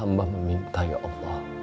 amba meminta ya allah